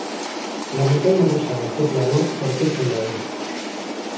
La montaña rusa antzezlana aurkezten dabil.